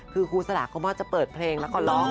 คือครูสลาคุณพ่อจะเปิดเพลงแล้วก็ร้อง